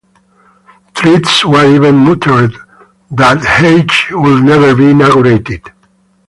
Threats were even muttered that Hayes would never be inaugurated.